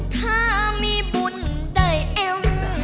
ถ้ามีบุญได้เอ็ม